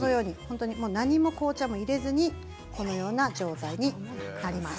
何も紅茶も入れずにこのような状態になります。